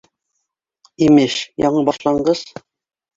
Имеш, яңы башланғыс